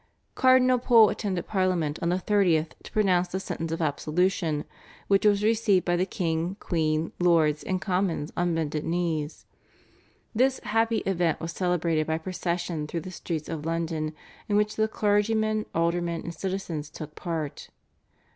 Cardinal Pole attended Parliament on the 30th to pronounce the sentence of absolution, which was received by the King, Queen, Lords, and Commons on bended knees. This happy event was celebrated by a procession through the streets of London in which the clergymen, aldermen, and citizens took part.